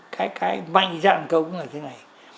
cái mạnh dạng công là thế này